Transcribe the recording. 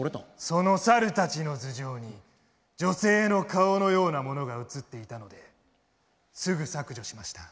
その猿たちの頭上に女性の顔のようなものが写っていたのですぐ削除しました。